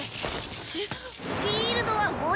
フィールドは森だ！